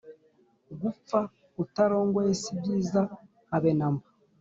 gupfa utarongoye si byiza habe namba